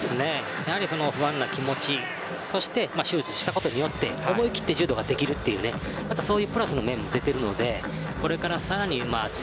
不安な気持ち、そして手術したことによって思い切って柔道ができるというプラスの面も出ています。